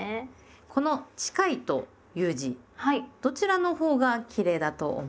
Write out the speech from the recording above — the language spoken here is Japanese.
この「近い」という字どちらのほうがきれいだと思いますか？